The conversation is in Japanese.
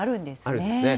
あるんですね。